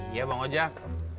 iya bang ojak